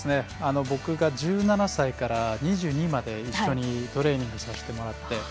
僕が１７歳から２２まで一緒にトレーニングをさせてもらって。